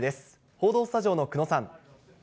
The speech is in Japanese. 報道スタジオの久野さん。